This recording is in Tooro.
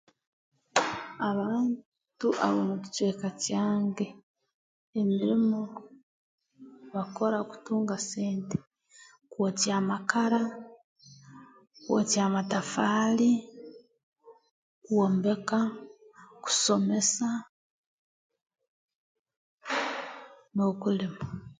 Abantu ab'omu kicweka kyange emirimo bakora kutunga sente kwokya amakara kwokya amatafaali kwombeka kusomesa n'okulima